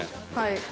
はい。